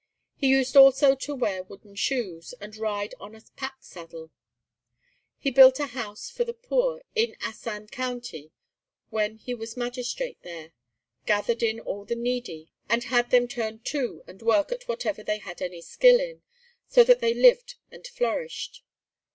He used also to wear wooden shoes and ride on a pack saddle. He built a house for the poor in Asan County when he was magistrate there, gathered in all the needy and had them turn to and work at whatever they had any skill in, so that they lived and flourished.